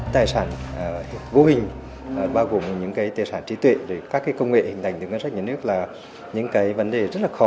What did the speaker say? tài sản vô hình bao gồm những cái tài sản trí tuệ các công nghệ hình ảnh từ ngân sách nhà nước là những cái vấn đề rất là khó